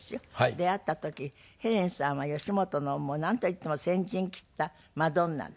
出会った時ヘレンさんは吉本のなんといっても先陣切ったマドンナで。